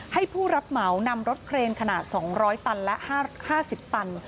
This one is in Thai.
ผู้รับเหมานำรถเครนขนาด๒๐๐ตันและ๕๐ตัน